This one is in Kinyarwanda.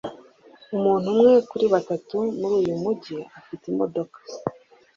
Umuntu umwe kuri batatu muri uyu mujyi afite imodoka.